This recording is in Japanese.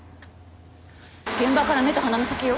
現場から目と鼻の先よ。